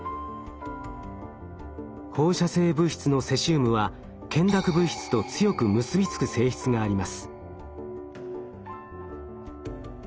放射性物質のセシウムは懸濁物質と強く結びつく性質があります。